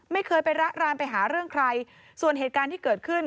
ไม่เคยไประรานไปหาเรื่องใครส่วนเหตุการณ์ที่เกิดขึ้น